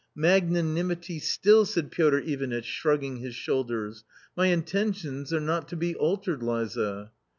" Magnanimity still !" said Piotr Ivanitch, shrugging his shoulders. " My intentions are not to be altered, Liza